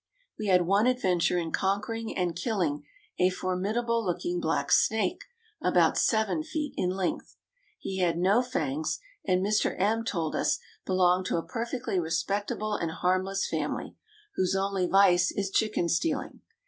We had one adventure in conquering and killing a formidable looking black snake about seven feet in length. He had no fangs, and, Mr. M told us, belonged to a perfectly respectable and harmless family, whose only vice is chicken stealing.